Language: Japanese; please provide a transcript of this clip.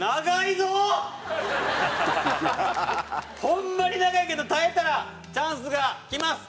ホンマに長いけど耐えたらチャンスがきます。